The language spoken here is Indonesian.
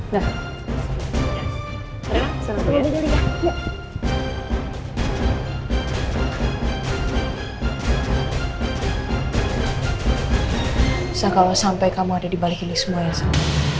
bisa kalau sampai kamu ada dibalik ini semua ya sam